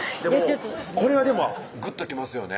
これはでもぐっときますよね